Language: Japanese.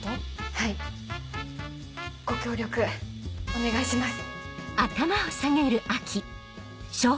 はいご協力お願いします。